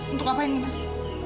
untuk apa ini mas